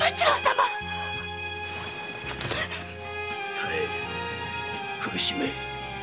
妙苦しめ。